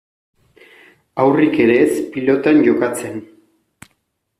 Haurrik ere ez pilotan jokatzen.